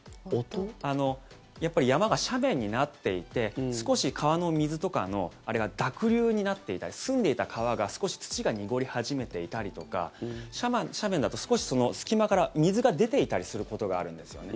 やっぱり山が斜面になっていて少し、川の水とかのあれが濁流になっていたり澄んでいた川が少し土が濁り始めていたりとか斜面だと、少し隙間から水が出ていたりすることがあるんですよね。